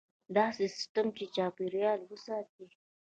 داسې سیستم چې چاپیریال وساتي.